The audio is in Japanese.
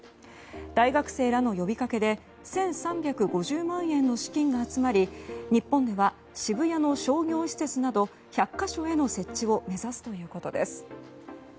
大学生らの呼びかけで１３５０万円の資金が集まり日本では渋谷の商業施設など１００か所への設置を目指すということです。